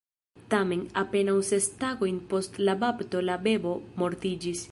Tamen, apenaŭ ses tagojn post la bapto, la bebo mortiĝis.